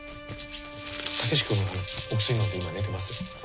武志君お薬のんで今寝てます。